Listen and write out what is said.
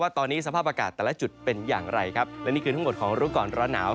ตอนนี้สภาพอากาศแต่ละจุดเป็นอย่างไรครับและนี่คือทั้งหมดของรู้ก่อนร้อนหนาว